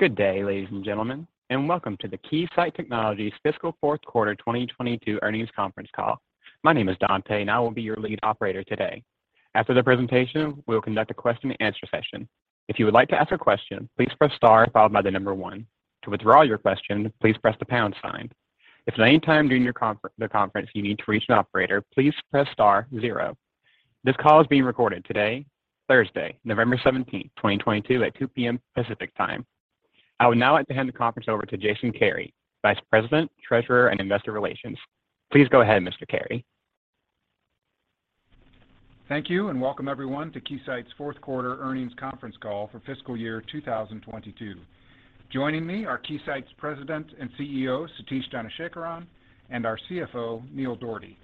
Good day, ladies and gentlemen, and welcome to the Keysight Technologies fiscal fourth quarter 2022 earnings conference call. My name is Dante, and I will be your lead operator today. After the presentation, we'll conduct a question and answer session. If you would like to ask a question, please press star followed by the number 1. To withdraw your question, please press the pound sign. If at any time during the conference you need to reach an operator, please press star 0. This call is being recorded today, Thursday, November 17th, 2022 at 2:00 P.M. Pacific Time. I would now like to hand the conference over to Jason Kary, Vice President, Treasurer, and Investor Relations. Please go ahead, Mr. Kary. Thank you, and welcome everyone to Keysight's fourth quarter earnings conference call for fiscal year 2022. Joining me are Keysight's President and CEO, Satish Dhanasekaran, and our CFO, Neil Dougherty.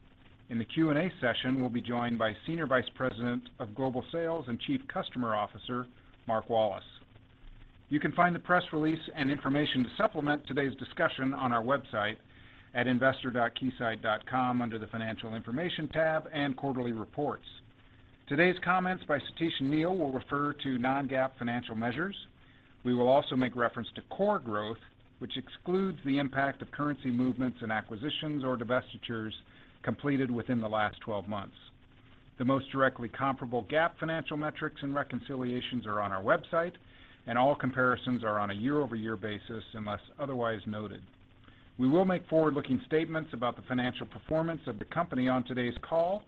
In the Q&A session, we'll be joined by Senior Vice President of Global Sales and Chief Customer Officer, Mark Wallace. You can find the press release and information to supplement today's discussion on our website at investor.keysight.com under the Financial Information tab and Quarterly Reports. Today's comments by Satish and Neil will refer to non-GAAP financial measures. We will also make reference to core growth, which excludes the impact of currency movements and acquisitions or divestitures completed within the last 12 months. The most directly comparable GAAP financial metrics and reconciliations are on our website, and all comparisons are on a year-over-year basis unless otherwise noted. We will make forward-looking statements about the financial performance of the company on today's call.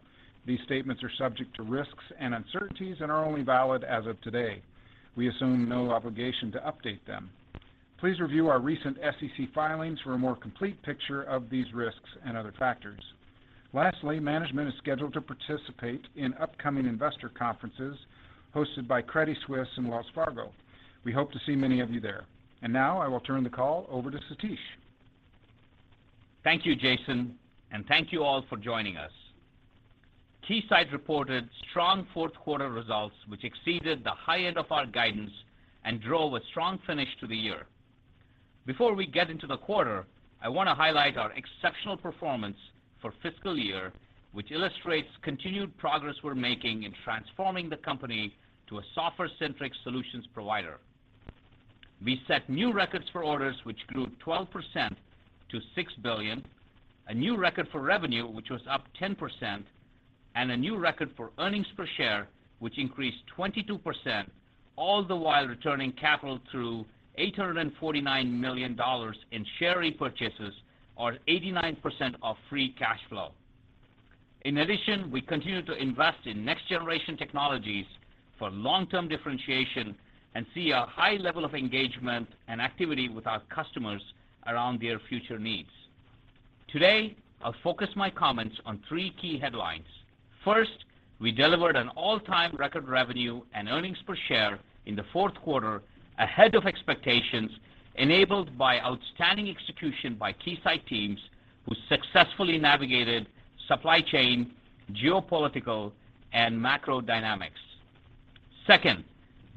These statements are subject to risks and uncertainties and are only valid as of today. We assume no obligation to update them. Please review our recent SEC filings for a more complete picture of these risks and other factors. Lastly, management is scheduled to participate in upcoming investor conferences hosted by Credit Suisse and Wells Fargo. We hope to see many of you there. Now I will turn the call over to Satish. Thank you, Jason, and thank you all for joining us. Keysight reported strong fourth quarter results, which exceeded the high end of our guidance and drove a strong finish to the year. Before we get into the quarter, I wanna highlight our exceptional performance for fiscal year, which illustrates continued progress we're making in transforming the company to a software-centric solutions provider. We set new records for orders which grew 12% to $6 billion, a new record for revenue, which was up 10%, and a new record for earnings per share, which increased 22%, all the while returning capital through $849 million in share repurchases or 89% of free cash flow. In addition, we continue to invest in next-generation technologies for long-term differentiation and see a high level of engagement and activity with our customers around their future needs. Today, I'll focus my comments on three key headlines. First, we delivered an all-time record revenue and earnings per share in the fourth quarter, ahead of expectations enabled by outstanding execution by Keysight teams who successfully navigated supply chain, geopolitical, and macro dynamics. Second,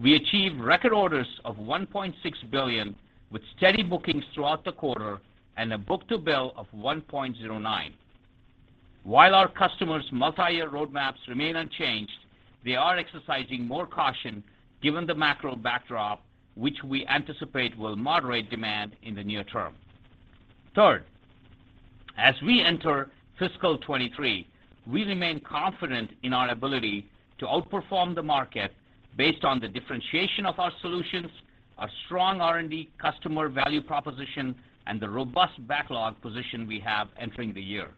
we achieved record orders of $1.6 billion with steady bookings throughout the quarter and a book-to-bill of 1.09. While our customers' multi-year roadmaps remain unchanged, they are exercising more caution given the macro backdrop, which we anticipate will moderate demand in the near term. Third, as we enter fiscal 2023, we remain confident in our ability to outperform the market based on the differentiation of our solutions, our strong R.&D. customer value proposition, and the robust backlog position we have entering the year.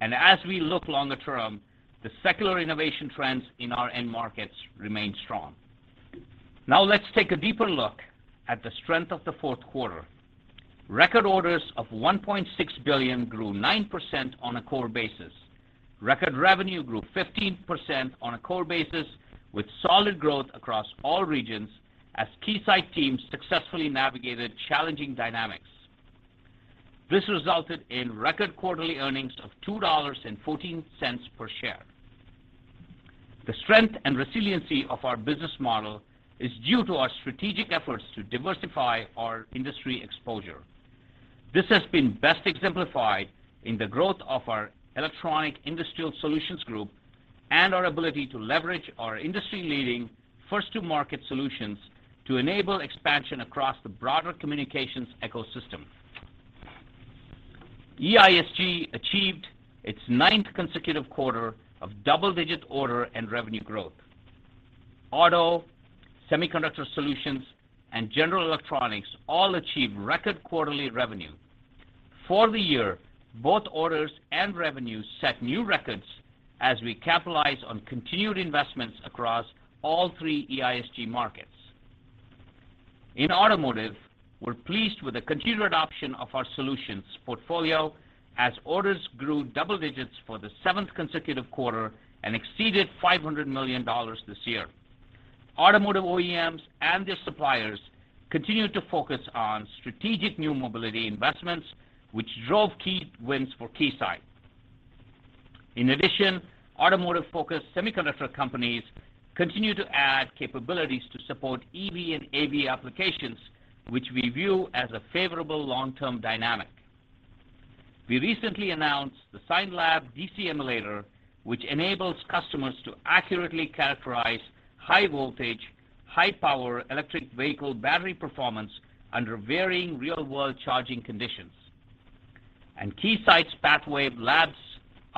As we look longer term, the secular innovation trends in our end markets remain strong. Now let's take a deeper look at the strength of the fourth quarter. Record orders of $1.6 billion grew 9% on a core basis. Record revenue grew 15% on a core basis with solid growth across all regions as Keysight teams successfully navigated challenging dynamics. This resulted in record quarterly earnings of $2.14 per share. The strength and resiliency of our business model is due to our strategic efforts to diversify our industry exposure. This has been best exemplified in the growth of our Electronic Industrial Solutions Group and our ability to leverage our industry-leading first-to-market solutions to enable expansion across the broader communications ecosystem. EISG achieved its ninth consecutive quarter of double-digit order and revenue growth. Auto, semiconductor solutions, and general electronics all achieved record quarterly revenue. For the year, both orders and revenues set new records as we capitalize on continued investments across all three EISG markets. In automotive, we're pleased with the continued adoption of our solutions portfolio as orders grew double digits for the seventh consecutive quarter and exceeded $500 million this year. Automotive OEMs and their suppliers continue to focus on strategic new mobility investments, which drove key wins for Keysight. In addition, automotive-focused semiconductor companies continue to add capabilities to support EV and AV applications, which we view as a favorable long-term dynamic. We recently announced the Scienlab DC Emulator, which enables customers to accurately characterize high-voltage, high-power electric vehicle battery performance under varying real-world charging conditions. Keysight's PathWave Lab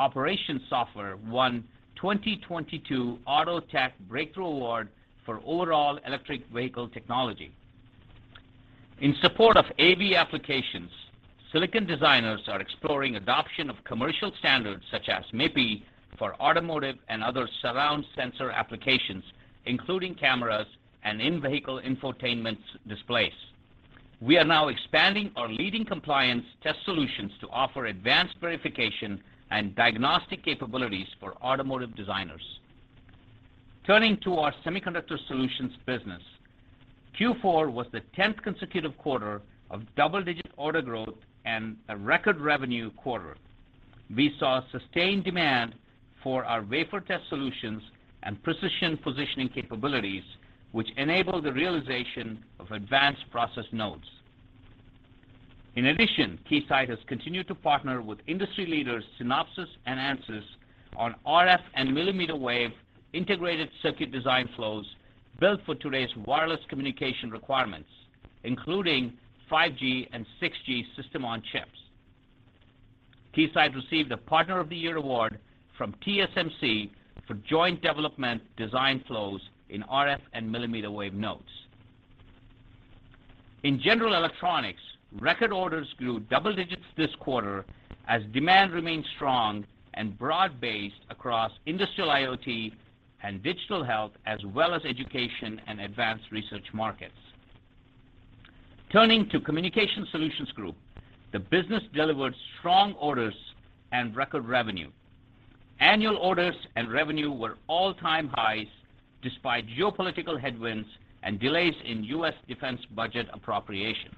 Operations software won 2022 AutoTech Breakthrough Awards for overall electric vehicle technology. In support of AV applications, silicon designers are exploring adoption of commercial standards such as MIPI for automotive and other surround sensor applications, including cameras and in-vehicle infotainment displays. We are now expanding our leading compliance test solutions to offer advanced verification and diagnostic capabilities for automotive designers. Turning to our Semiconductor Solutions business. Q4 was the 10th consecutive quarter of double-digit order growth and a record revenue quarter. We saw sustained demand for our wafer test solutions and precision positioning capabilities, which enable the realization of advanced process nodes. In addition, Keysight has continued to partner with industry leaders Synopsys and Ansys on RF and millimeter wave integrated circuit design flows built for today's wireless communication requirements, including 5G and 6G system on chips. Keysight received a Partner of the Year award from TSMC for joint development design flows in RF and millimeter wave nodes. In general electronics, record orders grew double digits this quarter as demand remained strong and broad-based across industrial IoT and digital health, as well as education and advanced research markets. Turning to Communication Solutions Group, the business delivered strong orders and record revenue. Annual orders and revenue were all-time highs despite geopolitical headwinds and delays in U.S. defense budget appropriations.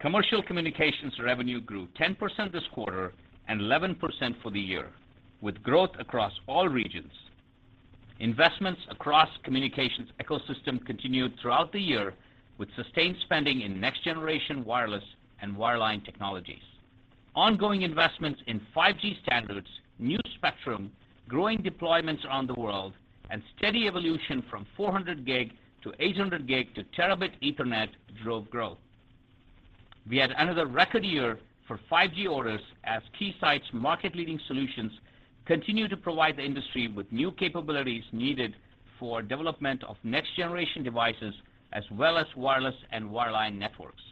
Commercial communications revenue grew 10% this quarter and 11% for the year, with growth across all regions. Investments across communications ecosystem continued throughout the year with sustained spending in next-generation wireless and wireline technologies. Ongoing investments in 5G standards, new spectrum, growing deployments around the world, and steady evolution from 400 gig to 800 gig to terabit Ethernet drove growth. We had another record year for 5G orders as Keysight's market-leading solutions continue to provide the industry with new capabilities needed for development of next-generation devices, as well as wireless and wireline networks.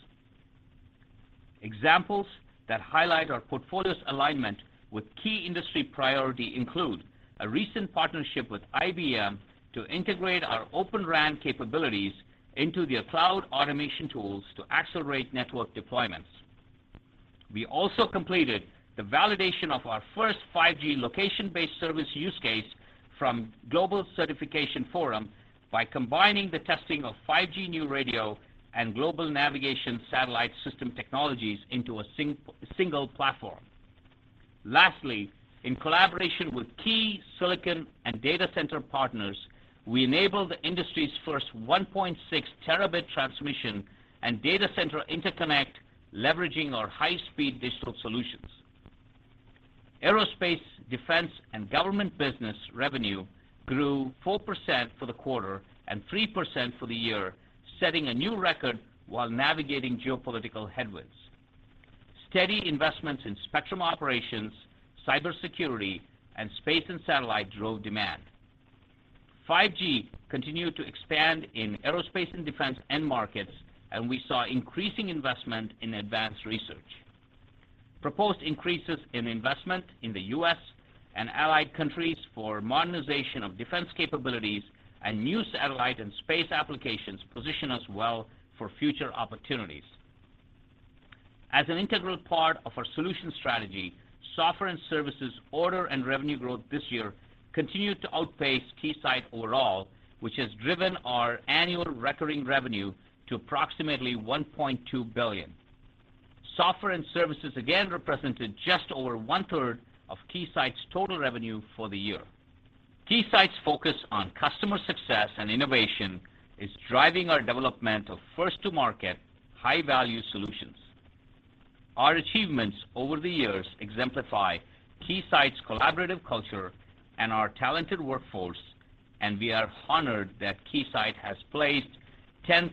Examples that highlight our portfolio's alignment with key industry priority include a recent partnership with IBM to integrate our Open RAN capabilities into their cloud automation tools to accelerate network deployments. We also completed the validation of our first 5G location-based service use case from Global Certification Forum by combining the testing of 5G New Radio and Global Navigation Satellite System technologies into a single platform. Lastly, in collaboration with key silicon and data center partners, we enabled the industry's first 1.6 terabit transmission and data center interconnect, leveraging our high-speed digital solutions. Aerospace, Defense, and Government business revenue grew 4% for the quarter and 3% for the year, setting a new record while navigating geopolitical headwinds. Steady investments in spectrum operations, cybersecurity, and space and satellite drove demand. 5G continued to expand in aerospace and defense end markets, and we saw increasing investment in advanced research. Proposed increases in investment in the U.S. and allied countries for modernization of defense capabilities and new satellite and space applications position us well for future opportunities. As an integral part of our solution strategy, software and services order and revenue growth this year continued to outpace Keysight overall, which has driven our annual recurring revenue to approximately $1.2 billion. Software and services again represented just over 1/3 of Keysight's total revenue for the year. Keysight's focus on customer success and innovation is driving our development of first-to-market high-value solutions. Our achievements over the years exemplify Keysight's collaborative culture and our talented workforce, and we are honored that Keysight has placed 10th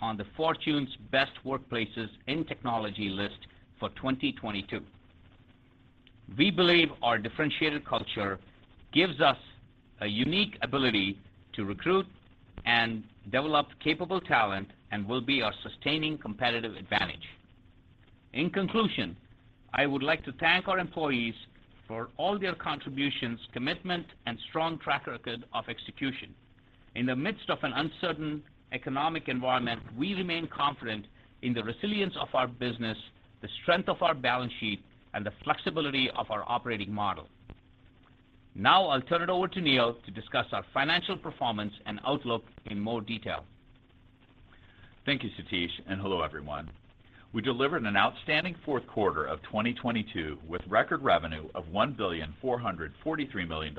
on the Fortune's Best Workplaces in Technology list for 2022. We believe our differentiated culture gives us a unique ability to recruit and develop capable talent and will be our sustaining competitive advantage. In conclusion, I would like to thank our employees for all their contributions, commitment, and strong track record of execution. In the midst of an uncertain economic environment, we remain confident in the resilience of our business, the strength of our balance sheet, and the flexibility of our operating model. Now, I'll turn it over to Neil to discuss our financial performance and outlook in more detail. Thank you, Satish, and hello, everyone. We delivered an outstanding fourth quarter of 2022 with record revenue of $1,443 million,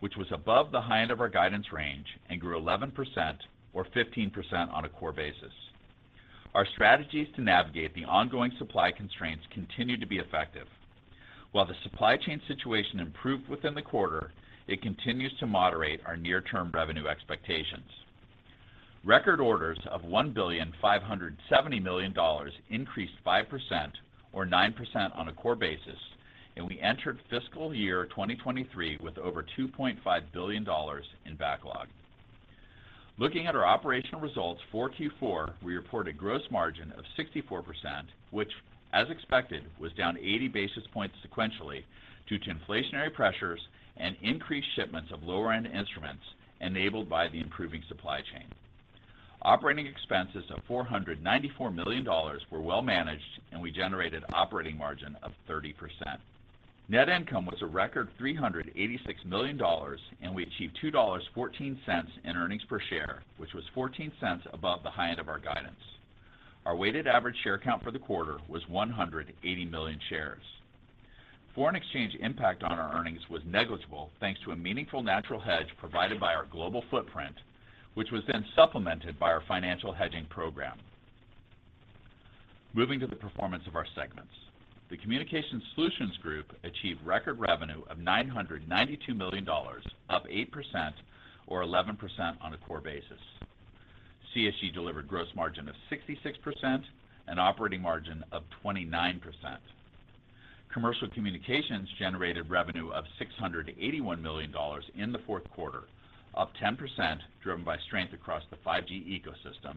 which was above the high end of our guidance range and grew 11% or 15% on a core basis. Our strategies to navigate the ongoing supply constraints continue to be effective. While the supply chain situation improved within the quarter, it continues to moderate our near-term revenue expectations. Record orders of $1,570 million increased 5% or 9% on a core basis, and we entered fiscal year 2023 with over $2.5 billion in backlog. Looking at our operational results for Q4, we reported gross margin of 64%, which, as expected, was down 80 basis points sequentially due to inflationary pressures and increased shipments of lower-end instruments enabled by the improving supply chain. Operating expenses of $494 million were well managed, and we generated operating margin of 30%. Net income was a record $386 million, and we achieved $2.14 in earnings per share, which was $0.14 above the high end of our guidance. Our weighted average share count for the quarter was 180 million shares. Foreign exchange impact on our earnings was negligible, thanks to a meaningful natural hedge provided by our global footprint, which was then supplemented by our financial hedging program. Moving to the performance of our segments. The Communication Solutions Group achieved record revenue of nine hundred and ninety-two million dollars, up eight percent or eleven percent on a core basis. CSG delivered gross margin of sixty-six percent and operating margin of twenty-nine percent. Commercial Communications generated revenue of six hundred and eighty-one million dollars in the fourth quarter, up ten percent, driven by strength across the 5G ecosystem,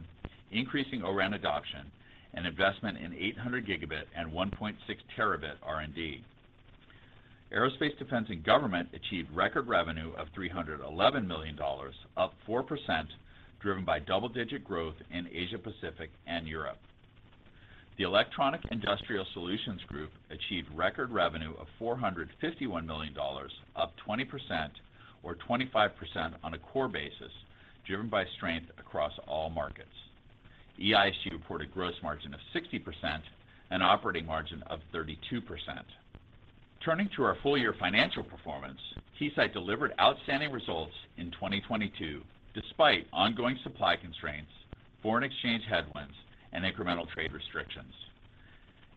increasing O-RAN adoption, and investment in eight hundred gigabit and one point six terabit R&D. Aerospace Defense and Government achieved record revenue of three hundred and eleven million dollars, up four percent, driven by double-digit growth in Asia-Pacific and Europe. The Electronic Industrial Solutions Group achieved record revenue of four hundred and fifty-one million dollars, up twenty percent or twenty-five percent on a core basis, driven by strength across all markets. EIS reported gross margin of sixty percent and operating margin of thirty-two percent. Turning to our full-year financial performance, Keysight delivered outstanding results in 2022 despite ongoing supply constraints, foreign exchange headwinds, and incremental trade restrictions.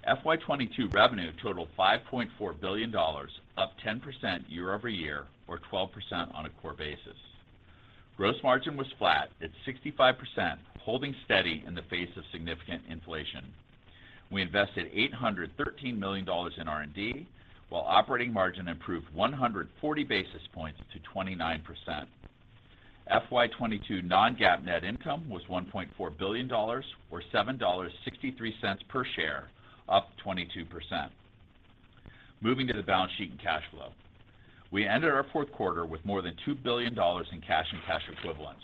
FY 2022 revenue totaled $5.4 billion, up 10% year-over-year or 12% on a core basis. Gross margin was flat at 65%, holding steady in the face of significant inflation. We invested $813 million in R&D while operating margin improved 140 basis points to 29%. FY 2022 non-GAAP net income was $1.4 billion or $7.63 per share, up 22%. Moving to the balance sheet and cash flow. We ended our fourth quarter with more than $2 billion in cash and cash equivalents,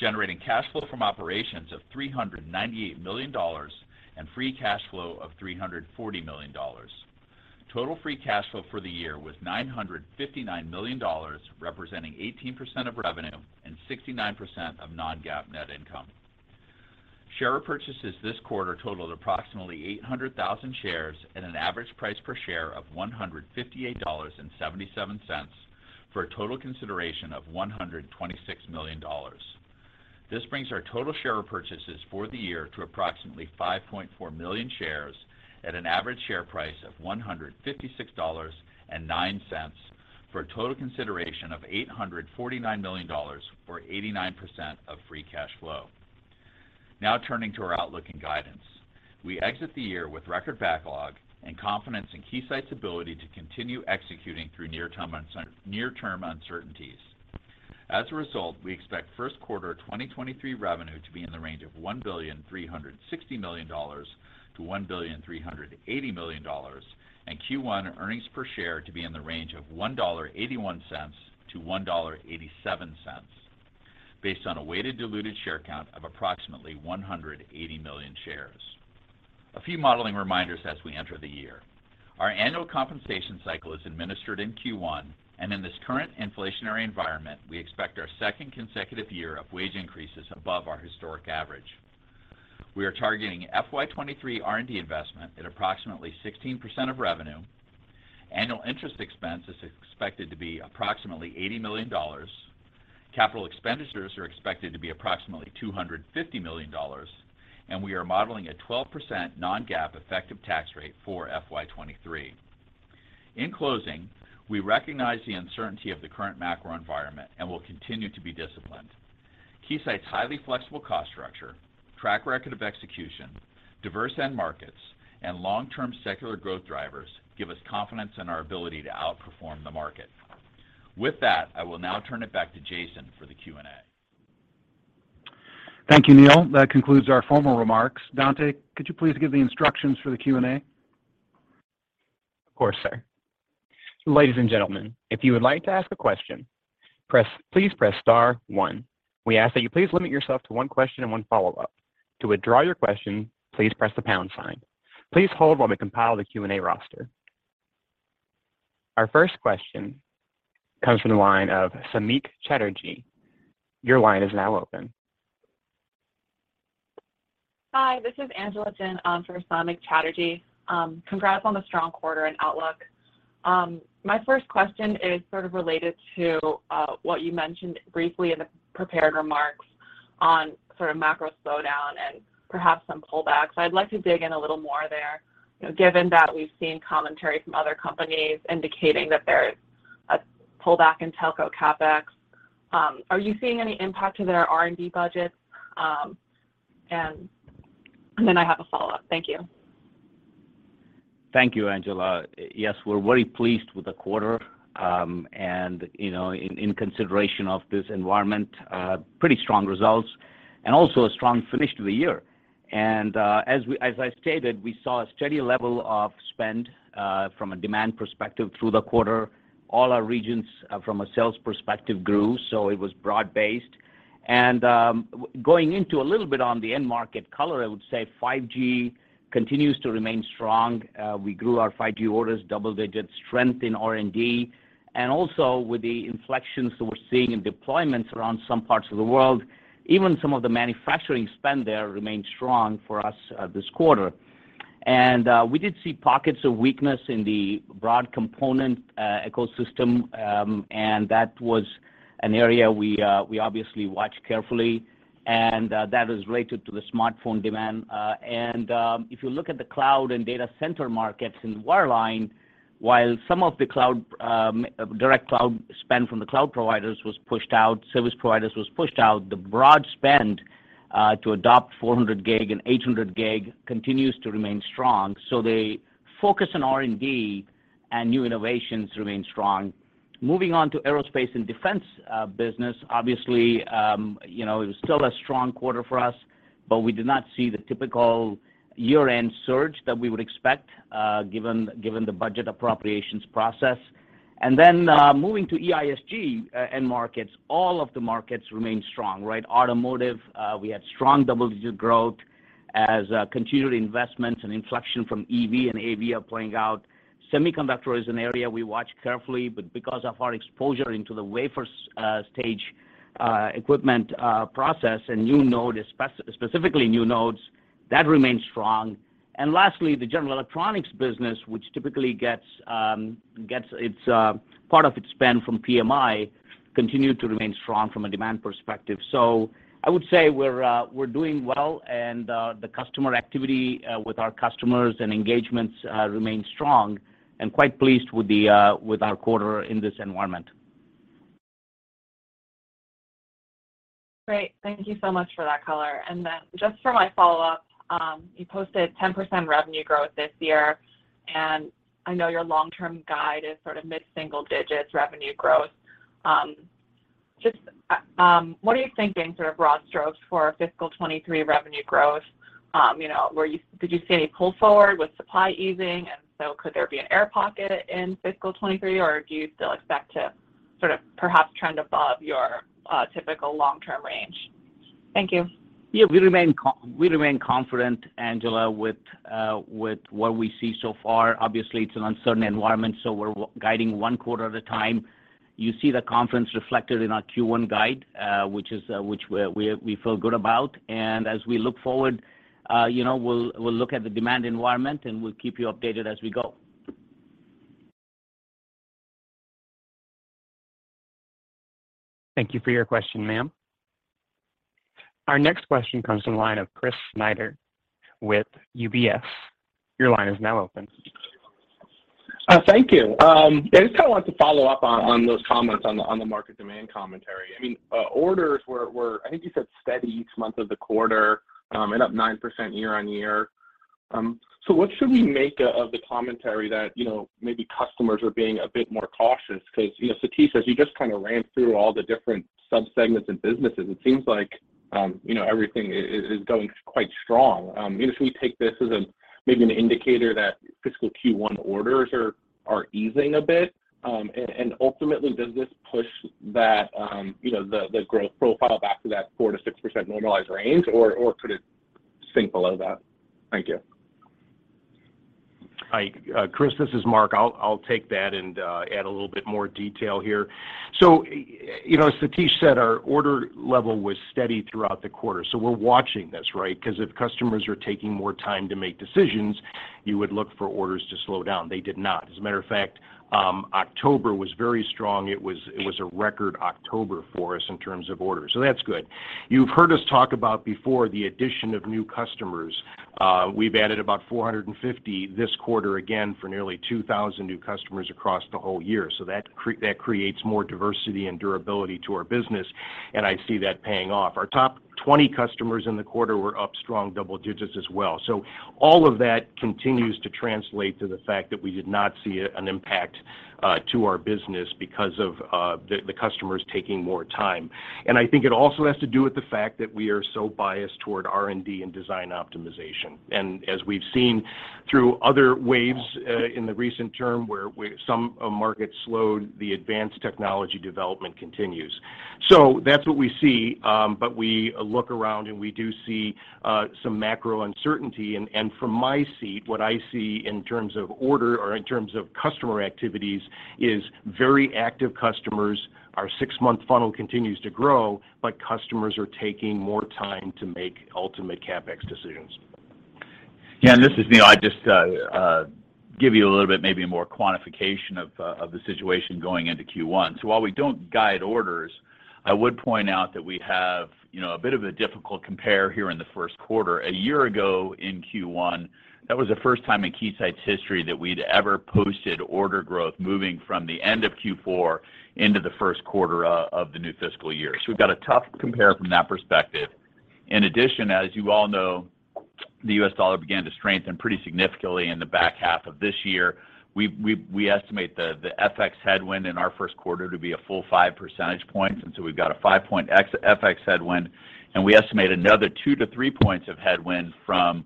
generating cash flow from operations of $398 million and free cash flow of $340 million. Total free cash flow for the year was $959 million, representing 18% of revenue and 69% of non-GAAP net income. Share repurchases this quarter totaled approximately 800,000 shares at an average price per share of $158.77 for a total consideration of $126 million. This brings our total share repurchases for the year to approximately 5.4 million shares at an average share price of $156.09 for a total consideration of $849 million or 89% of free cash flow. Now turning to our outlook and guidance. We exit the year with record backlog and confidence in Keysight's ability to continue executing through near-term uncertainties. As a result, we expect first quarter 2023 revenue to be in the range of $1,360 million-$1,380 million, and Q1 earnings per share to be in the range of $1.81-$1.87 based on a weighted diluted share count of approximately 180 million shares. A few modeling reminders as we enter the year. Our annual compensation cycle is administered in Q1, and in this current inflationary environment, we expect our second consecutive year of wage increases above our historic average. We are targeting F.Y. 2023 R&D investment at approximately 16% of revenue. Annual interest expense is expected to be approximately $80 million. Capital expenditures are expected to be approximately $250 million, and we are modeling a 12% non-GAAP effective tax rate for FY 2023. In closing, we recognize the uncertainty of the current macro environment and will continue to be disciplined. Keysight's highly flexible cost structure, track record of execution, diverse end markets, and long-term secular growth drivers give us confidence in our ability to outperform the market. With that, I will now turn it back to Jason for the Q&A. Thank you, Neil. That concludes our formal remarks. Dante, could you please give the instructions for the Q&A? Of course, sir. Ladies and gentlemen, if you would like to ask a question, please press star one. We ask that you please limit yourself to one question and one follow-up. To withdraw your question, please press the pound sign. Please hold while we compile the Q&A roster. Our first question comes from the line of Samik Chatterjee. Your line is now open. Hi, this is Angela Jin for Samik Chatterjee. Congrats on the strong quarter and outlook. My first question is sort of related to what you mentioned briefly in the prepared remarks on sort of macro slowdown and perhaps some pullbacks. I'd like to dig in a little more there, you know, given that we've seen commentary from other companies indicating that there is a pullback in telco CapEx. Are you seeing any impact to their R&D budgets? I have a follow-up. Thank you. Thank you, Angela. Yes, we're very pleased with the quarter and, you know, in consideration of this environment, pretty strong results and also a strong finish to the year. As I stated, we saw a steady level of spend from a demand perspective through the quarter. All our regions from a sales perspective grew, so it was broad-based. Going into a little bit on the end market color, I would say 5G continues to remain strong. We grew our 5G orders, double-digit strength in R&D. Also with the inflections that we're seeing in deployments around some parts of the world, even some of the manufacturing spend there remained strong for us this quarter. We did see pockets of weakness in the broad component ecosystem, and that was an area we obviously watch carefully, and that is related to the smartphone demand. If you look at the cloud and data center markets in wireline, while some of the cloud direct cloud spend from the cloud providers was pushed out, service providers was pushed out, the broad spend to adopt 400 gig and 800 gig continues to remain strong. The focus on R&D and new innovations remain strong. Moving on to aerospace and defense business, obviously, you know, it was still a strong quarter for us, but we did not see the typical year-end surge that we would expect given the budget appropriations process. Moving to EISG end markets, all of the markets remain strong, right? Automotive, we had strong double-digit growth as continued investments and inflection from EV and AV are playing out. Semiconductor is an area we watch carefully, but because of our exposure into the wafer stage equipment process and new node, specifically new nodes, that remains strong. Lastly, the general electronics business, which typically gets its part of its spend from PMI, continued to remain strong from a demand perspective. I would say we're doing well and the customer activity with our customers and engagements remain strong and quite pleased with our quarter in this environment. Great. Thank you so much for that color. Just for my follow-up, you posted 10% revenue growth this year, and I know your long-term guide is sort of mid-single digits revenue growth. Just what are you thinking sort of broad strokes for fiscal 2023 revenue growth? You know, did you see any pull forward with supply easing? Could there be an air pocket in fiscal 2023, or do you still expect to sort of perhaps trend above your typical long-term range? Thank you. Yeah. We remain confident, Angela, with what we see so far. Obviously, it's an uncertain environment, so we're guiding one quarter at a time. You see the confidence reflected in our Q1 guide, which we feel good about. As we look forward, you know, we'll look at the demand environment, and we'll keep you updated as we go. Thank you for your question, ma'am. Our next question comes from the line of Chris Snyder with UBS. Your line is now open. Thank you. I just kind of wanted to follow up on those comments on the market demand commentary. I mean, orders were, I think you said steady each month of the quarter and up 9% year-on-year. What should we make of the commentary that, you know, maybe customers are being a bit more cautious? Because, you know, Satish, as you just kind of ran through all the different subsegments and businesses, it seems like, you know, everything is going quite strong. You know, should we take this as maybe an indicator that fiscal Q1 orders are easing a bit? Ultimately, does this push that, you know, the growth profile back to that 4%-6% normalized range, or could it sink below that? Thank you. Hi, Chris, this is Mark. I'll take that and add a little bit more detail here. You know, as Satish said, our order level was steady throughout the quarter. We're watching this, right? Because if customers are taking more time to make decisions, you would look for orders to slow down. They did not. As a matter of fact, October was very strong. It was a record October for us in terms of orders. That's good. You've heard us talk about before the addition of new customers. We've added about 450 this quarter, again for nearly 2,000 new customers across the whole year. That creates more diversity and durability to our business, and I see that paying off. Our top 20 customers in the quarter were up strong double digits as well. All of that continues to translate to the fact that we did not see an impact to our business because of the customers taking more time. I think it also has to do with the fact that we are so biased toward R&D and design optimization. As we've seen through other waves in the recent term where some markets slowed, the advanced technology development continues. That's what we see, but we look around, and we do see some macro uncertainty. From my seat, what I see in terms of order or in terms of customer activities is very active customers. Our six-month funnel continues to grow, but customers are taking more time to make ultimate CapEx decisions. Yeah, this is Neil. I just give you a little bit maybe more quantification of the situation going into Q1. While we don't guide orders, I would point out that we have, you know, a bit of a difficult compare here in the first quarter. A year ago in Q1, that was the first time in Keysight's history that we'd ever posted order growth moving from the end of Q4 into the first quarter of the new fiscal year. We've got a tough compare from that perspective. In addition, as you all know, the U.S. dollar began to strengthen pretty significantly in the back half of this year. We estimate the FX headwind in our first quarter to be a full five percentage points. We've got a five-point FX headwind, and we estimate another 2-3 points of headwind from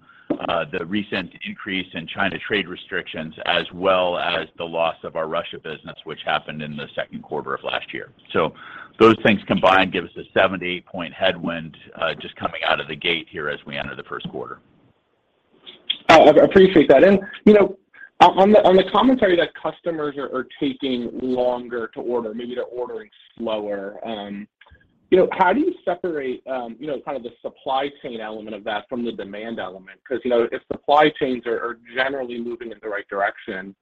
the recent increase in China trade restrictions, as well as the loss of our Russia business which happened in the second quarter of last year. Those things combined give us a 7-8-point headwind just coming out of the gate here as we enter the first quarter. I appreciate that. You know, on the commentary that customers are taking longer to order, maybe they're ordering slower, you know, how do you separate, you know, kind of the supply chain element of that from the demand element? Because, you know, if supply chains are generally moving in the right direction,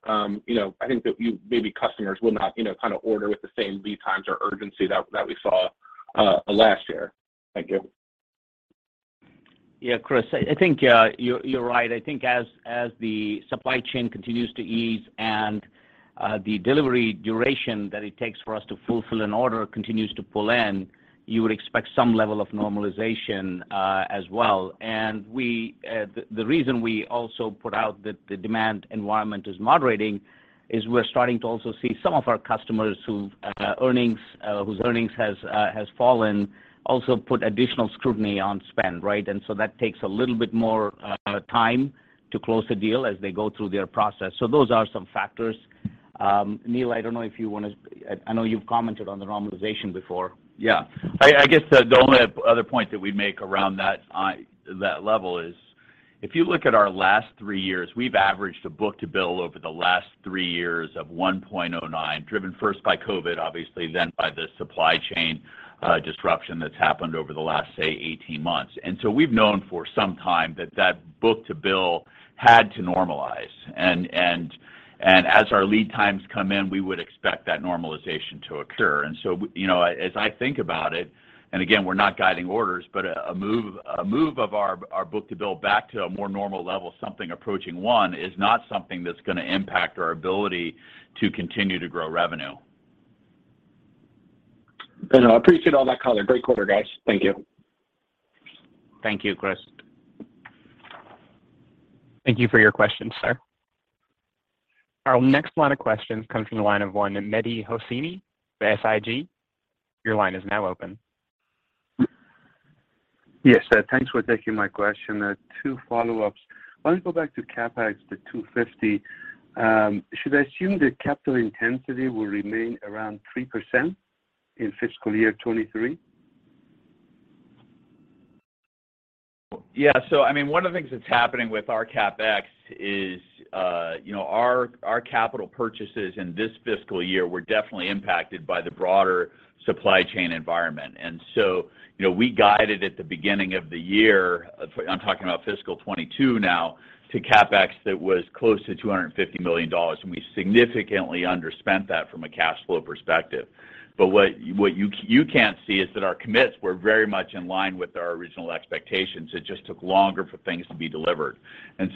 you know, I think that maybe customers will not, you know, kind of order with the same lead times or urgency that we saw last year. Thank you. Yeah, Chris, I think you're right. I think as the supply chain continues to ease and the delivery duration that it takes for us to fulfill an order continues to pull in, you would expect some level of normalization as well. The reason we also put out that the demand environment is moderating is we're starting to also see some of our customers whose earnings has fallen also put additional scrutiny on spend, right? That takes a little bit more time to close the deal as they go through their process. Those are some factors. Neil, I know you've commented on the normalization before. Yeah. I guess the only other point that we'd make around that level is if you look at our last three years, we've averaged a book-to-bill over the last three years of 1.09, driven first by COVID, obviously, then by the supply chain disruption that's happened over the last, say, 18 months. We've known for some time that that book-to-bill had to normalize, and as our lead times come in, we would expect that normalization to occur. You know, as I think about it, and again, we're not guiding orders, but a move of our book-to-bill back to a more normal level, something approaching one, is not something that's gonna impact our ability to continue to grow revenue. I appreciate all that color. Great quarter, guys. Thank you. Thank you, Chris. Thank you for your question, sir. Our next line of questions comes from the line of one Mehdi Hosseini with SIG. Your line is now open. Yes. Thanks for taking my question. Two follow-ups. I want to go back to CapEx, the $250. Should I assume that capital intensity will remain around 3% in fiscal year 2023? Yeah. I mean, one of the things that's happening with our CapEx is, you know, our capital purchases in this fiscal year were definitely impacted by the broader supply chain environment. You know, we guided at the beginning of the year, I'm talking about fiscal 2022 now, to CapEx that was close to $250 million, and we significantly underspent that from a cash flow perspective. What you can't see is that our commits were very much in line with our original expectations. It just took longer for things to be delivered.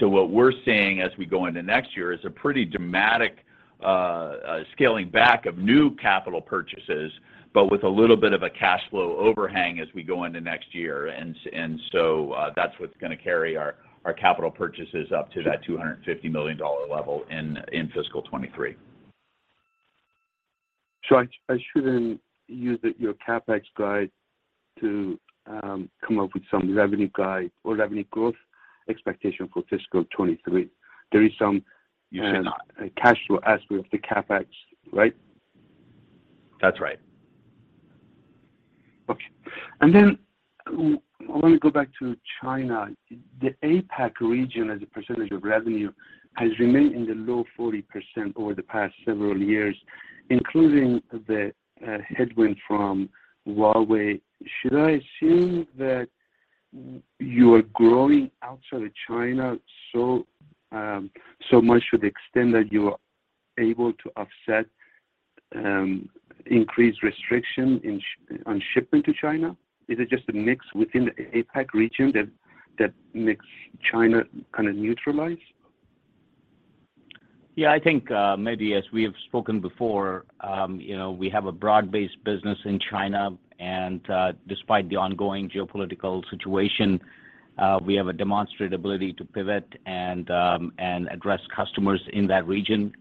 What we're seeing as we go into next year is a pretty dramatic scaling back of new capital purchases, but with a little bit of a cash flow overhang as we go into next year. That's what's gonna carry our capital purchases up to that 250 million-dollar level in fiscal 2023. I shouldn't use your CapEx guide to come up with some revenue guide or revenue growth expectation for fiscal 2023. You should not. Cash flow aspect of the CapEx, right? That's right. Okay. Want to go back to China. The APAC region as a percentage of revenue has remained in the low 40% over the past several years, including the headwind from Huawei. Should I assume that you are growing outside of China so much to the extent that you are able to offset increased restriction on shipping to China? Is it just a mix within the APAC region that makes China kind of neutralized? Yeah. I think, Mehdi, as we have spoken before, you know, we have a broad-based business in China, and despite the ongoing geopolitical situation, we have a demonstrated ability to pivot and address customers in that region.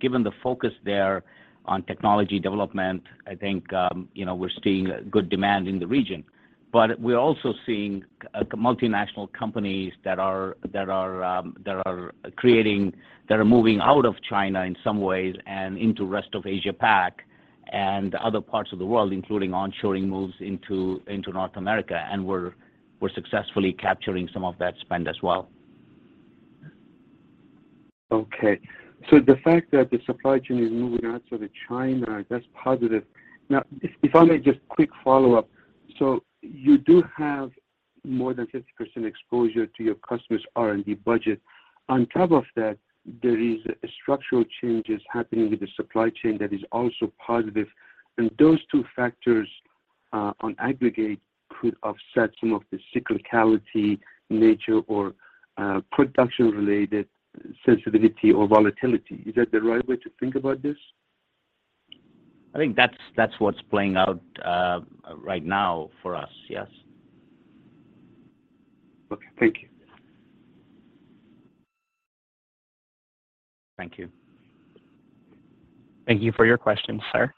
Given the focus there on technology development, I think, you know, we're seeing good demand in the region. We're also seeing multinational companies that are moving out of China in some ways and into rest of Asia Pac and other parts of the world, including onshoring moves into North America, and we're successfully capturing some of that spend as well. Okay. The fact that the supply chain is moving out sort of China, that's positive. Now, if I may just quick follow-up. You do have more than 50% exposure to your customers' R&D budget. On top of that, there is structural changes happening with the supply chain that is also positive, and those two factors on aggregate could offset some of the cyclicality nature or production-related sensitivity or volatility. Is that the right way to think about this? I think that's what's playing out right now for us, yes. Okay. Thank you. Thank you. Thank you for your question, sir.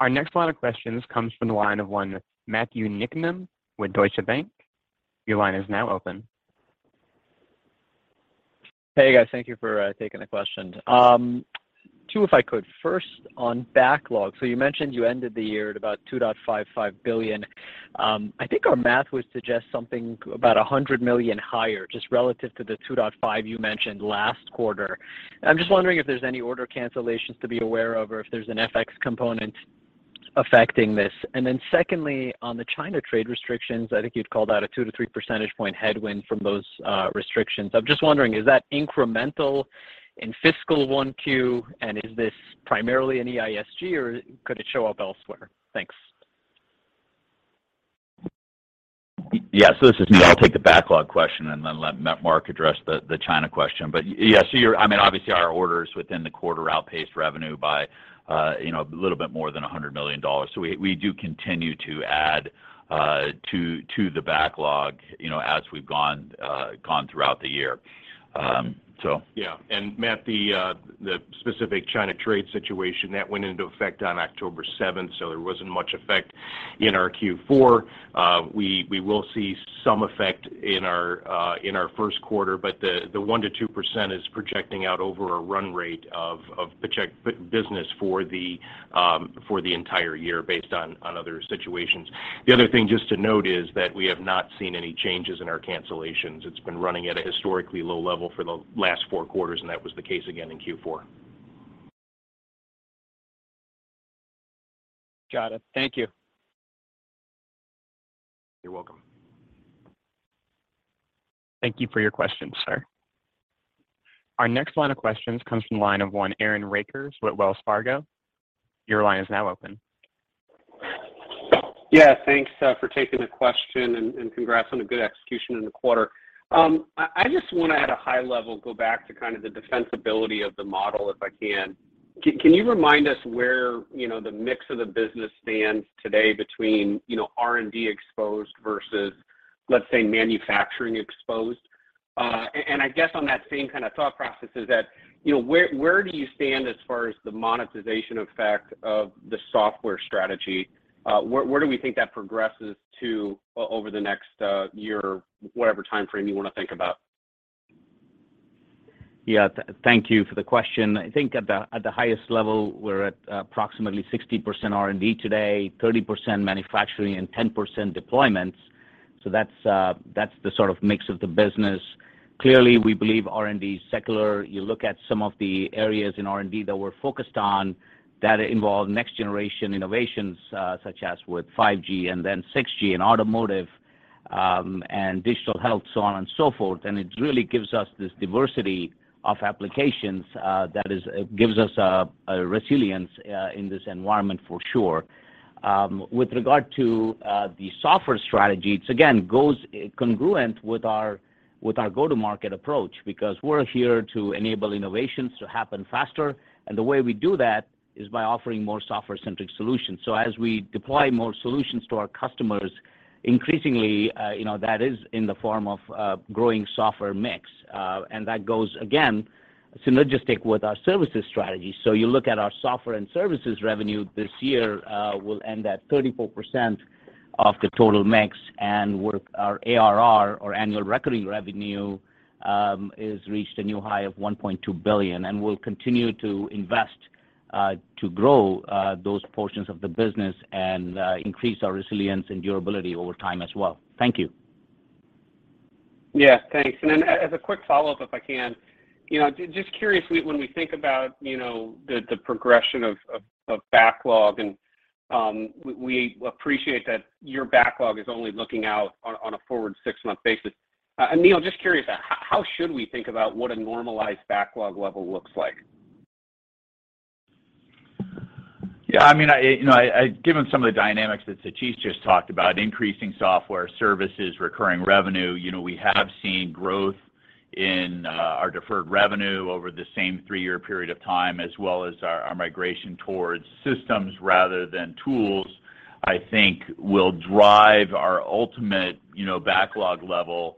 Our next line of questions comes from the line of one Matthew Niknam with Deutsche Bank. Your line is now open. Hey, guys. Thank you for taking the question. Two, if I could. First on backlog. You mentioned you ended the year at about $2.55 billion. I think our math would suggest something about $100 million higher, just relative to the $2.5 you mentioned last quarter. I'm just wondering if there's any order cancellations to be aware of, or if there's an FX component affecting this. Secondly, on the China trade restrictions, I think you'd called out a 2-3 percentage point headwind from those restrictions. I'm just wondering, is that incremental in fiscal 1Q, and is this primarily an EISG, or could it show up elsewhere? Thanks. Yeah. This is Neil. I'll take the backlog question and then let Mark address the China question. Yeah, I mean, obviously our orders within the quarter outpaced revenue by, you know, a little bit more than $100 million. We do continue to add to the backlog, you know, as we've gone throughout the year. Yeah. Matt, the specific China trade situation, that went into effect on October 7th. There wasn't much effect in our Q4. We will see some effect in our first quarter. The 1%-2% is projecting out over a run rate of business for the entire year based on other situations. The other thing just to note is that we have not seen any changes in our cancellations. It's been running at a historically low level for the last four quarters. That was the case again in Q4. Got it. Thank you. You're welcome. Thank you for your question, sir. Our next line of questions comes from the line of one Aaron Rakers with Wells Fargo. Your line is now open. Yeah, thanks for taking the question and congrats on a good execution in the quarter. I just wanna at a high level go back to kind of the defensibility of the model, if I can. Can you remind us where, you know, the mix of the business stands today between, you know, R&D exposed versus, let's say, manufacturing exposed? I guess on that same kind of thought process is that, you know, where do you stand as far as the monetization effect of the software strategy? Where do we think that progresses to over the next year, whatever timeframe you wanna think about? Yeah. Thank you for the question. I think at the highest level, we're at approximately 60% R&D today, 30% manufacturing, and 10% deployments. That's the sort of mix of the business. Clearly, we believe R&D is secular. You look at some of the areas in R&D that we're focused on that involve next-generation innovations, such as with 5G and then 6G and automotive and digital health, so on and so forth, and it really gives us this diversity of applications that gives us a resilience in this environment for sure. With regard to the software strategy, it again goes congruent with our go-to-market approach because we're here to enable innovations to happen faster, and the way we do that is by offering more software-centric solutions. As we deploy more solutions to our customers, increasingly, you know, that is in the form of growing software mix. That goes again synergistic with our services strategy. You look at our software and services revenue this year will end at 34% of the total mix, and with our ARR or annual recurring revenue is reached a new high of $1.2 billion. We'll continue to invest to grow those portions of the business and increase our resilience and durability over time as well. Thank you. Yeah. Thanks. As a quick follow-up, if I can. You know, just curiously, when we think about, you know, the progression of backlog, we appreciate that your backlog is only looking out on a forward six-month basis. Neil, just curious, how should we think about what a normalized backlog level looks like? Yeah. I mean, given some of the dynamics that Satish just talked about, increasing software services, recurring revenue, you know, we have seen growth in our deferred revenue over the same three-year period of time, as well as our migration towards systems rather than tools, I think will drive our ultimate, you know, backlog level,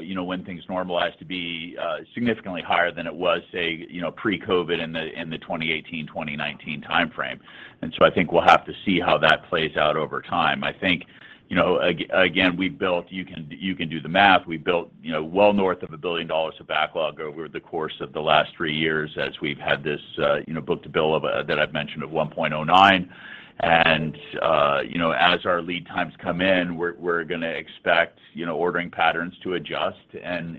you know, when things normalize to be significantly higher than it was, say, you know, pre-COVID in the 2018, 2019 timeframe. I think we'll have to see how that plays out over time. I think, you know, again, you can do the math. We built, you know, well north of $1 billion of backlog over the course of the last three years as we've had this, you know, book-to-bill that I've mentioned of 1.09. You know, as our lead times come in, we're gonna expect, you know, ordering patterns to adjust and,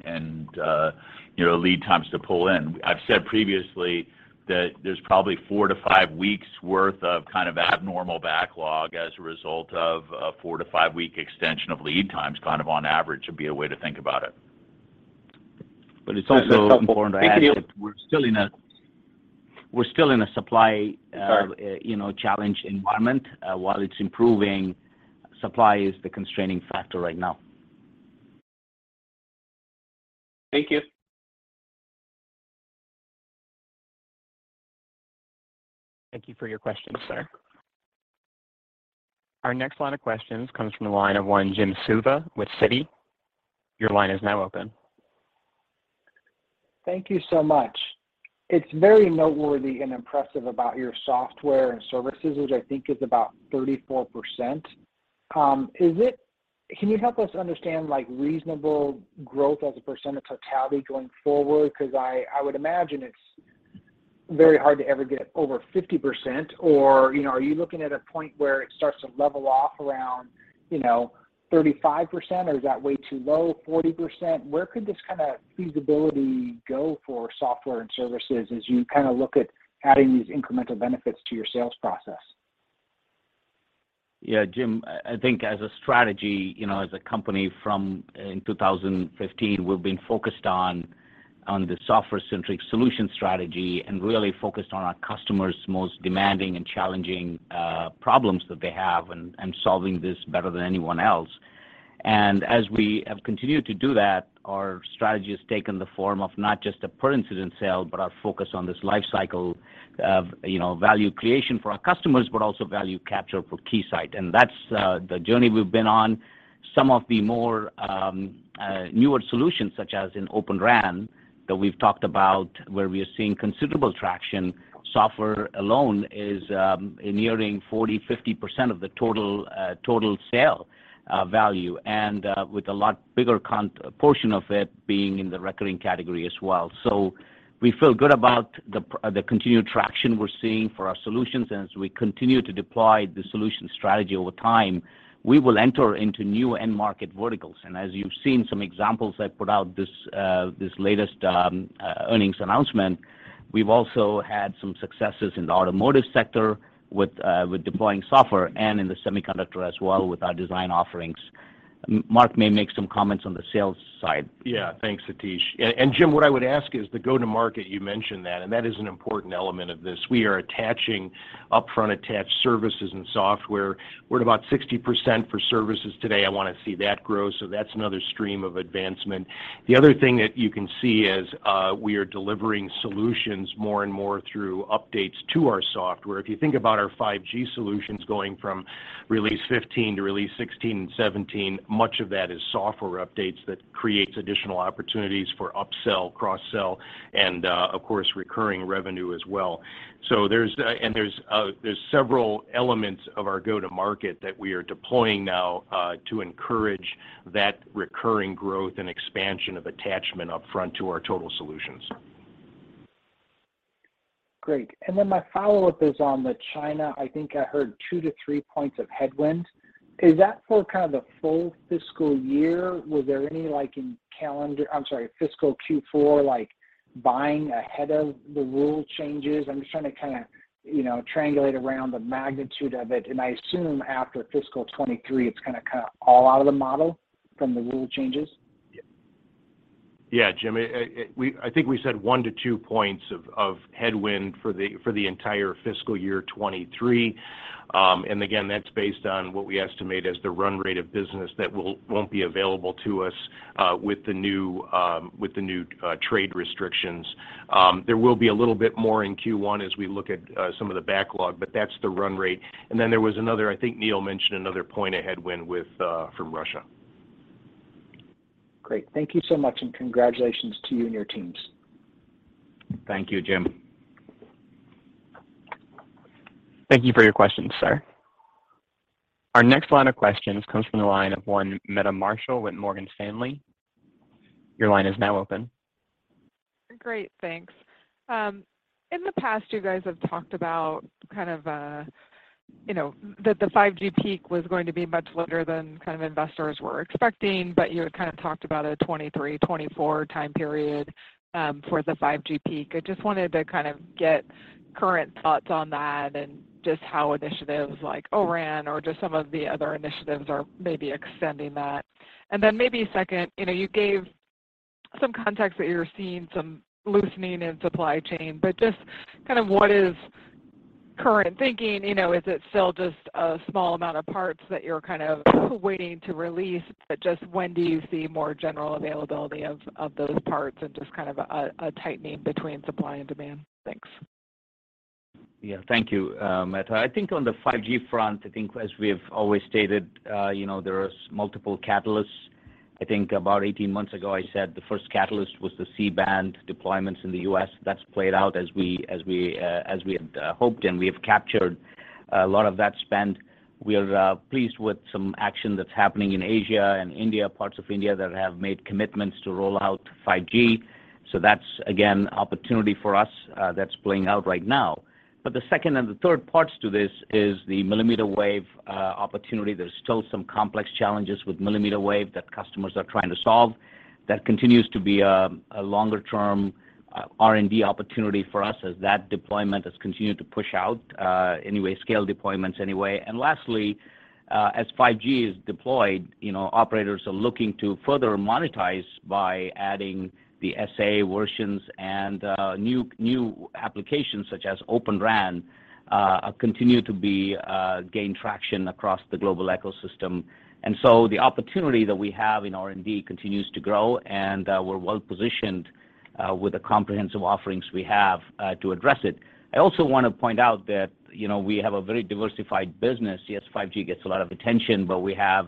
you know, lead times to pull in. I've said previously that there's probably 4-5 weeks worth of kind of abnormal backlog as a result of a 4-5-week extension of lead times, kind of on average, would be a way to think about it. It's also important to add that we're still in a supply, you know, challenge environment. While it's improving, supply is the constraining factor right now. Thank you. Thank you for your questions, sir. Our next line of questions comes from the line of one Jim Suva with Citi. Your line is now open. Thank you so much. It's very noteworthy and impressive about your software and services, which I think is about 34%. Can you help us understand, like, reasonable growth as a percent of totality going forward? 'Cause I would imagine it's very hard to ever get over 50% or, you know, are you looking at a point where it starts to level off around, you know, 35% or is that way too low, 40%? Where could this kind of feasibility go for software and services as you kind of look at adding these incremental benefits to your sales process? Yeah, Jim, I think as a strategy, you know, as a company from in 2015, we've been focused on the software-centric solution strategy and really focused on our customers' most demanding and challenging problems that they have and solving this better than anyone else. As we have continued to do that, our strategy has taken the form of not just a per incident sale, but our focus on this life cycle of, you know, value creation for our customers, but also value capture for Keysight. That's the journey we've been on. Some of the more newer solutions, such as in Open RAN that we've talked about where we are seeing considerable traction, software alone is nearing 40%-50% of the total sale value, and with a lot bigger portion of it being in the recurring category as well. We feel good about the continued traction we're seeing for our solutions. As we continue to deploy the solution strategy over time, we will enter into new end market verticals. As you've seen some examples I put out this latest earnings announcement, we've also had some successes in the automotive sector with deploying software and in the semiconductor as well with our design offerings. Mark may make some comments on the sales side. Yeah. Thanks, Satish. Jim, what I would ask is the go-to-market, you mentioned that, and that is an important element of this. We are attaching upfront attached services and software. We're at about 60% for services today. I wanna see that grow, so that's another stream of advancement. The other thing that you can see is we are delivering solutions more and more through updates to our software. If you think about our 5G solutions going from release 15 to release 16 and 17, much of that is software updates that creates additional opportunities for upsell, cross-sell, and, of course, recurring revenue as well. There's several elements of our go-to-market that we are deploying now to encourage that recurring growth and expansion of attachment upfront to our total solutions. Great. My follow-up is on the China. I think I heard 2 points-3 points of headwind. Is that for kind of the full fiscal year? Was there any, like in fiscal Q4, like, buying ahead of the rule changes? I'm just trying to kinda, you know, triangulate around the magnitude of it. I assume after fiscal 2023, it's gonna cut all out of the model from the rule changes. Yeah. Yeah, Jim. I think we said 1-2 points of headwind for the entire fiscal year 2023. Again, that's based on what we estimate as the run rate of business that won't be available to us with the new trade restrictions. There will be a little bit more in Q1 as we look at some of the backlog, but that's the run rate. I think Neil mentioned another point of headwind from Russia. Great. Thank you so much, and congratulations to you and your teams. Thank you, Jim. Thank you for your questions, sir. Our next line of questions comes from the line of one Meta Marshall with Morgan Stanley. Your line is now open. Great. Thanks. In the past, you guys have talked about kind of, you know, that the 5G peak was going to be much later than kind of investors were expecting, but you kind of talked about a 2023-2024 time period for the 5G peak. I just wanted to kind of get current thoughts on that and just how initiatives like O-RAN or just some of the other initiatives are maybe extending that. Maybe second, you know, you gave some context that you're seeing some loosening in supply chain, but just kind of what is current thinking, you know, is it still just a small amount of parts that you're kind of waiting to release? Just when do you see more general availability of those parts and just kind of a tightening between supply and demand? Thanks. Yeah. Thank you, Meta. I think on the 5G front, I think as we have always stated, you know, there is multiple catalysts. I think about 18 months ago, I said the first catalyst was the C-band deployments in the U.S. That's played out as we had hoped, and we have captured a lot of that spend. We are pleased with some action that's happening in Asia and India, parts of India that have made commitments to roll out 5G. That's again, opportunity for us, that's playing out right now. The second and the third parts to this is the millimeter wave opportunity. There's still some complex challenges with millimeter-wave that customers are trying to solve that continues to be a longer-term R&D opportunity for us as that deployment has continued to push out, anyway, scale deployments anyway. Lastly, as 5G is deployed, you know, operators are looking to further monetize by adding the SA versions, and new applications such as Open RAN gain traction across the global ecosystem. The opportunity that we have in R&D continues to grow, and we're well-positioned with the comprehensive offerings we have to address it. I also want to point out that, you know, we have a very diversified business. Yes, 5G gets a lot of attention, but we have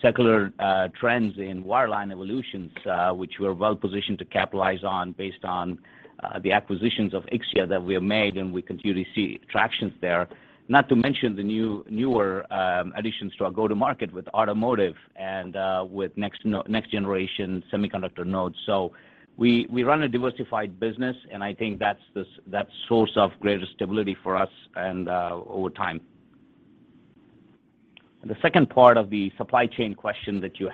secular trends in wireline evolutions which we're well-positioned to capitalize on based on the acquisitions of Ixia that we have made, and we continue to see tractions there. Not to mention the newer additions to our go-to-market with automotive and with next-generation semiconductor nodes. We run a diversified business, and I think that's that source of greater stability for us and over time. The second part of the supply chain question that you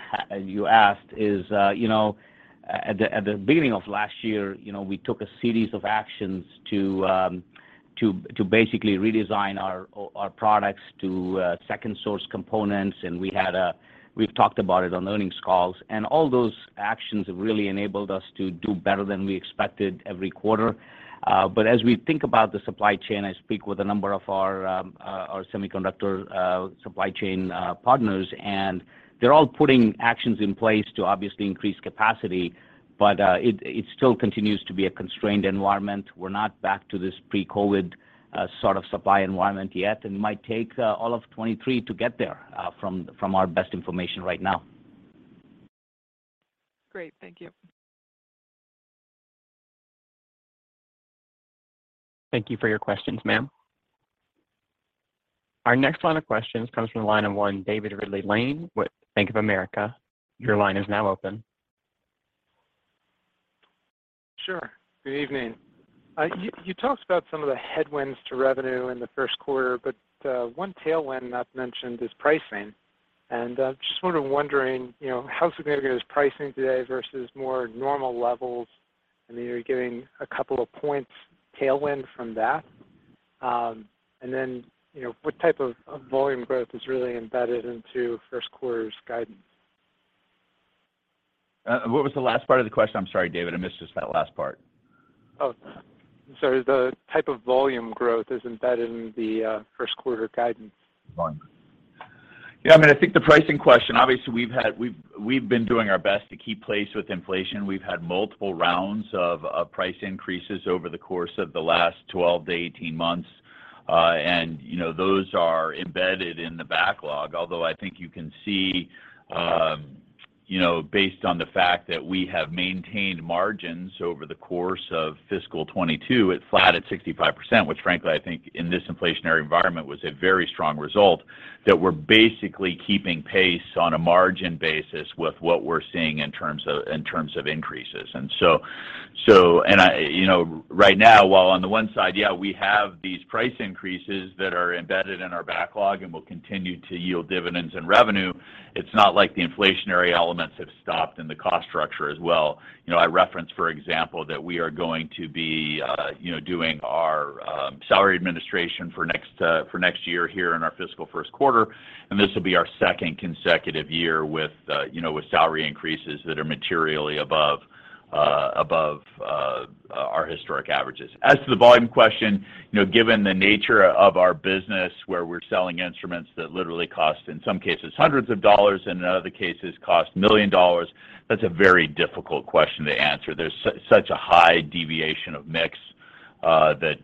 asked is, you know, at the beginning of last year, you know, we took a series of actions to basically redesign our products to second source components. We've talked about it on earnings calls, and all those actions have really enabled us to do better than we expected every quarter. As we think about the supply chain, I speak with a number of our semiconductor supply chain partners, and they're all putting actions in place to obviously increase capacity, but it still continues to be a constrained environment. We're not back to this pre-COVID sort of supply environment yet, and it might take all of 2023 to get there from our best information right now. Great. Thank you. Thank you for your questions, ma'am. Our next line of questions comes from the line of one David Ridley-Lane with Bank of America. Your line is now open. Sure. Good evening. You talked about some of the headwinds to revenue in the first quarter. One tailwind not mentioned is pricing. I'm just sort of wondering, you know, how significant is pricing today versus more normal levels? I mean, are you getting a couple of points tailwind from that? You know, what type of volume growth is really embedded into first quarter's guidance? What was the last part of the question? I'm sorry, David, I missed just that last part. Oh, sorry. The type of volume growth is embedded in the first quarter guidance. Right. Yeah, I mean, I think the pricing question, obviously, we've been doing our best to keep pace with inflation. We've had multiple rounds of price increases over the course of the last 12-18 months. You know, those are embedded in the backlog. Although I think you can see, you know, based on the fact that we have maintained margins over the course of fiscal 2022 at flat at 65%, which frankly, I think in this inflationary environment was a very strong result, that we're basically keeping pace on a margin basis with what we're seeing in terms of increases. You know, right now, while on the one side, yeah, we have these price increases that are embedded in our backlog and will continue to yield dividends and revenue, it's not like the inflationary elements have stopped in the cost structure as well. You know, I referenced, for example, that we are going to be, you know, doing our salary administration for next year here in our fiscal first quarter, and this will be our second consecutive year, you know, with salary increases that are materially above our historic averages. As to the volume question, you know, given the nature of our business, where we're selling instruments that literally cost, in some cases, hundreds of dollars, and in other cases cost million dollars, that's a very difficult question to answer. There's such a high deviation of mix that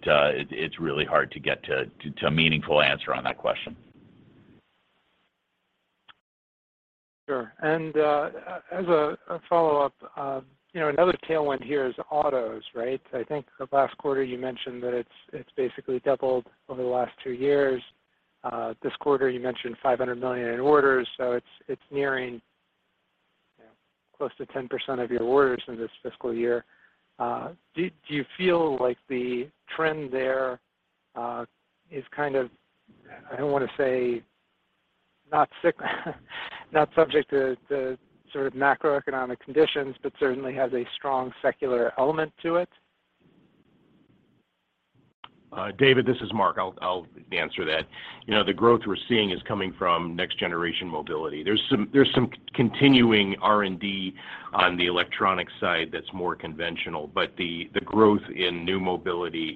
it's really hard to get to a meaningful answer on that question. Sure. As a follow-up, you know, another tailwind here is autos, right? I think last quarter you mentioned that it's basically doubled over the last two years. This quarter you mentioned $500 million in orders. It's nearing close to 10% of your orders in this fiscal year. Do you feel like the trend there is kind of, I don't want to say not subject to sort of macroeconomic conditions, but certainly has a strong secular element to it? David, this is Mark. I'll answer that. You know, the growth we're seeing is coming from next-generation mobility. There's some continuing R&D on the electronic side that's more conventional. The growth in new mobility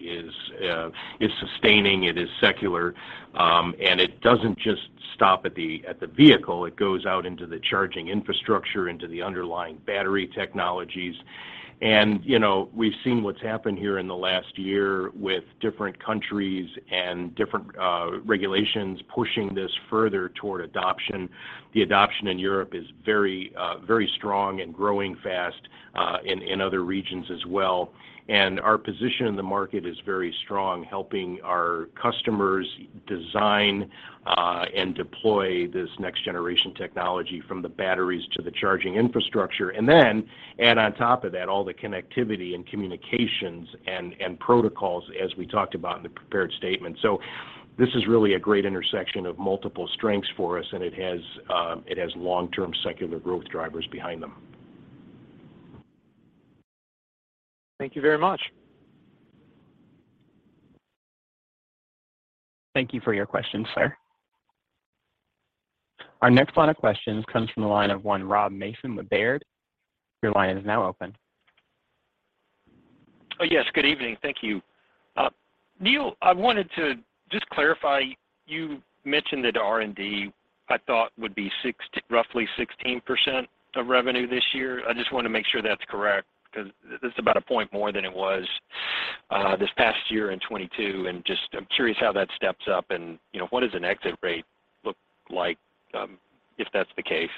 is sustaining, it is secular, and it doesn't just stop at the vehicle. It goes out into the charging infrastructure, into the underlying battery technologies. You know, we've seen what's happened here in the last year with different countries and different regulations pushing this further toward adoption. The adoption in Europe is very strong and growing fast in other regions as well. Our position in the market is very strong, helping our customers design and deploy this next-generation technology from the batteries to the charging infrastructure. Add on top of that all the connectivity and communications and protocols as we talked about in the prepared statement. This is really a great intersection of multiple strengths for us, and it has long-term secular growth drivers behind them. Thank you very much. Thank you for your question, sir. Our next line of questions comes from the line of one Robert Mason with Baird. Your line is now open. Oh, yes. Good evening. Thank you. Neil, I wanted to just clarify, you mentioned that R&D, I thought would be roughly 16% of revenue this year. I just wanna make sure that's correct because this is about a point more than it was this past year in 2022. Just I'm curious how that steps up and, you know, what does an exit rate look like if that's the case?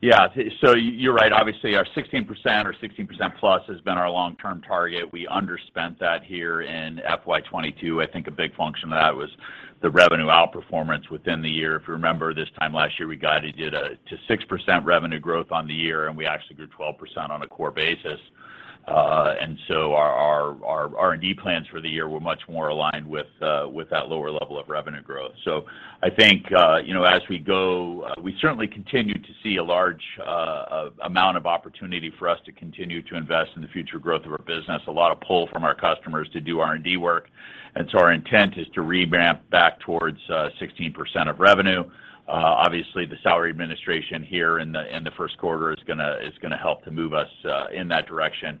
Yeah. You're right. Obviously, our 16% or 16%+ has been our long-term target. We underspent that here in FY 2022. I think a big function of that was the revenue outperformance within the year. If you remember this time last year, we guided you to 6% revenue growth on the year, and we actually grew 12% on a core basis. Our R&D plans for the year were much more aligned with that lower level of revenue growth. I think, you know, as we go, we certainly continue to see a large amount of opportunity for us to continue to invest in the future growth of our business. A lot of pull from our customers to do R&D work. Our intent is to ramp back towards 16% of revenue. Uh, obviously, the salary administration here in the, in the first quarter is gonna, is gonna help to move us, uh, in that direction. We,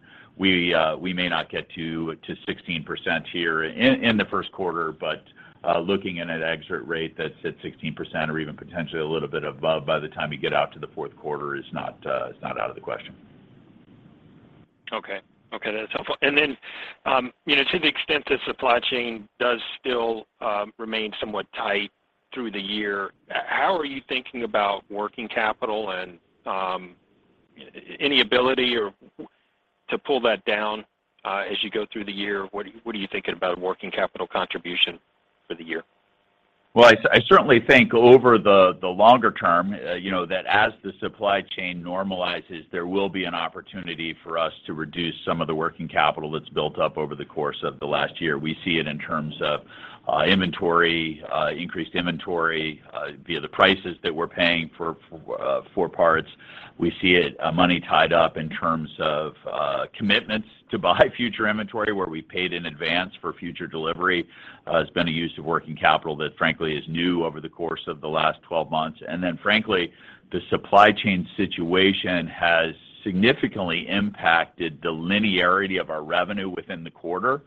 uh, we may not get to sixteen percent here in the first quarter, but, uh, looking at an exit rate that's at sixteen percent or even potentially a little bit above by the time you get out to the fourth quarter is not, uh, is not out of the question. Okay. That's helpful. You know, to the extent that supply chain does still remain somewhat tight through the year, how are you thinking about working capital and any ability to pull that down as you go through the year? What are you thinking about working capital contribution for the year? Well, I certainly think over the longer term, you know, that as the supply chain normalizes, there will be an opportunity for us to reduce some of the working capital that's built up over the course of the last year. We see it in terms of inventory, increased inventory via the prices that we're paying for parts. We see it, money tied up in terms of commitments to buy future inventory where we paid in advance for future delivery, has been a use of working capital that frankly is new over the course of the last 12 months. Frankly, the supply chain situation has significantly impacted the linearity of our revenue within the quarter.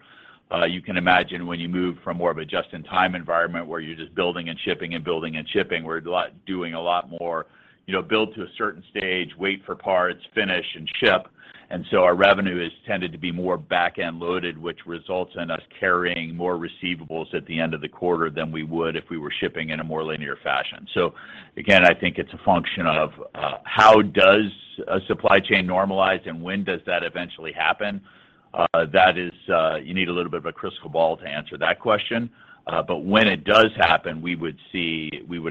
You can imagine when you move from more of a just-in-time environment where you're just building and shipping and building and shipping, we're doing a lot more, you know, build to a certain stage, wait for parts, finish and ship. Our revenue has tended to be more back-end loaded, which results in us carrying more receivables at the end of the quarter than we would if we were shipping in a more linear fashion. Again, I think it's a function of how does a supply chain normalize and when does that eventually happen? That is, you need a little bit of a crystal ball to answer that question. When it does happen, we would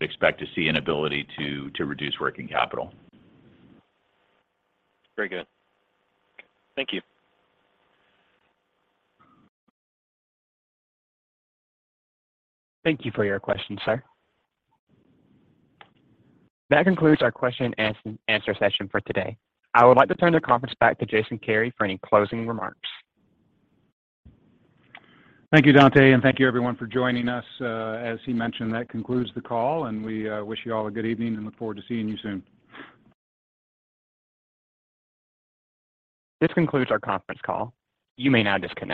expect to see an ability to reduce working capital. Very good. Thank you. Thank you for your question, sir. That concludes our question and answer session for today. I would like to turn the conference back to Jason Kary for any closing remarks. Thank you, Dante, and thank you, everyone, for joining us. As he mentioned, that concludes the call, and we wish you all a good evening and look forward to seeing you soon. This concludes our conference call. You may now disconnect.